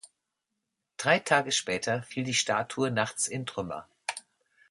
Drei Tage später fiel die Statue nachts in Trümmer.